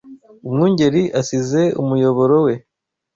Umwungeri asize umuyoboro we